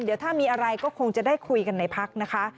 เดี๋ยวถ้ามีอะไรก็คงจะได้คุยกันในพักนะคะ